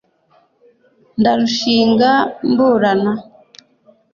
ndarushinga mburana